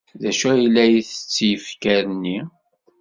D acu ay la yettett yifker-nni?